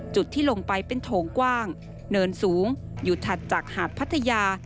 จุดที่ลงไปเป็นโถงกว้างเนินสูงอยู่ถัดจากหาดพัทยา